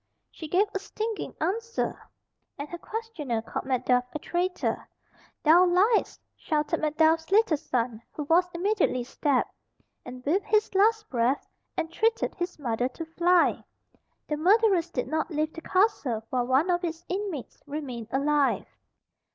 She gave a stinging answer, and her questioner called Macduff a traitor. "Thou liest!" shouted Macduff's little son, who was immediately stabbed, and with his last breath entreated his mother to fly. The murderers did not leave the castle while one of its inmates remained alive.